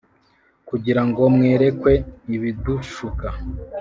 Kugirango mwerekwe ibidushuka